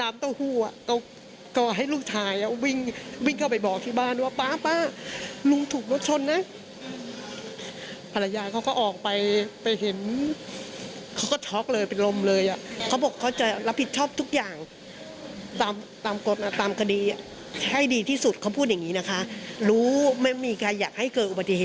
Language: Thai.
ไม่มีใครอยากให้เกิดอุบัติเหตุหรอก